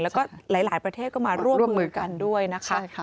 แล้วก็หลายประเทศก็มาร่วมมือกันด้วยนะคะ